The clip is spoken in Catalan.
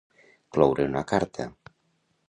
Cloure una carta.